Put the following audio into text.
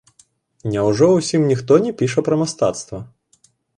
Няўжо ўсім ніхто не піша пра мастацтва?